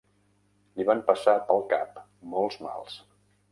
Li van passar pel cap molts mals.